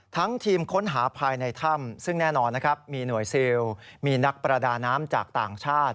ทีมค้นหาภายในถ้ำซึ่งแน่นอนนะครับมีหน่วยซิลมีนักประดาน้ำจากต่างชาติ